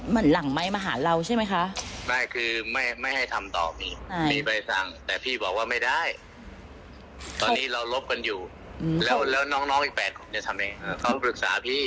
สุภาตอนนี้เรารบกันอยู่แล้วน้องอีก๘คนนี่ทำยังยังไง